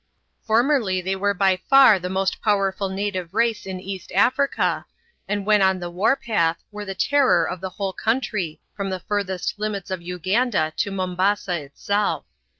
Formerly they were by far the most powerful native race in East Africa, and when on the war path were the terror of the whole country from the furthest limits of Uganda to Mombasa itself.